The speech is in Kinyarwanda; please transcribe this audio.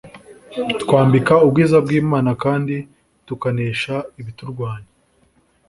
bitwambika ubwiza bw’Imana kandi tukanesha ibiturwanya